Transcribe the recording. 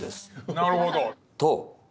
なるほど。